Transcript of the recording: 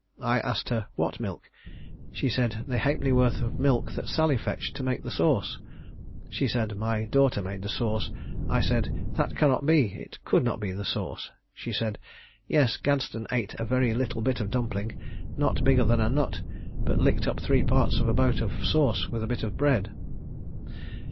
I asked her "What milk?" She said, "The halfpenny worth of milk that Sally fetched, to make the sauce." She said my daughter made the sauce. I said, "That cannot be; it could not be the sauce." She said, "Yes; Gadsden ate a very little bit of dumpling, not bigger than a nut; but licked up three parts of a boat of sauce with a bit of bread."